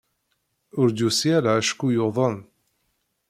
Ur d-yusi ara acku yuḍen.